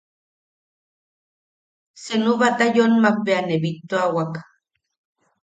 Seenu Batayonmak bea ne bittuawak.